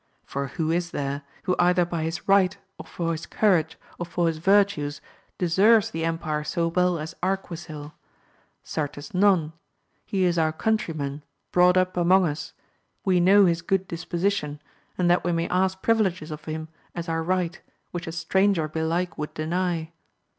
For who is there, who either by his right, or for his courage, or for his virtues, deserves the empire so well as Arquisil ? Certes none. He is our country man, brought up among us ; we know his good dis position, and that we may ask privileges of him as our right, which a stranger belike would deny.